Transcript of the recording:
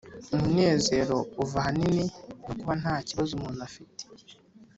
Umunezero uva ahanini nokuba ntabibazo umuntu aba afite